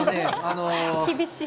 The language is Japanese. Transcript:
厳しい。